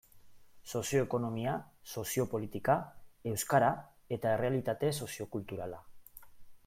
Sozio-ekonomia, sozio-politika, euskara eta errealitate sozio-kulturala.